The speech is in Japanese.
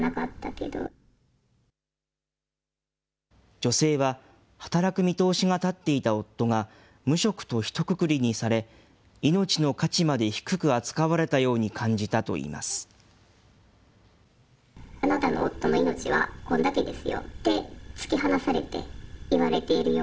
女性は、働く見通しが立っていた夫が、無職とひとくくりにされ、命の価値まで低く扱われたように感じたといいます。